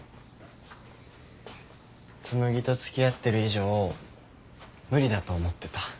紬と付き合ってる以上無理だと思ってた。